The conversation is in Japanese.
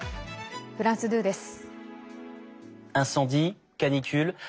フランス２です。